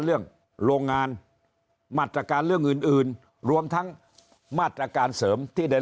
ในเรื่องโรงงานมาตรการเรืองอื่นรวมทั้งมาตรการเสริมที่ได้